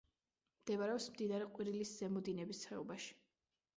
მდებარეობს მდინარე ყვირილის ზემო დინების ხეობაში.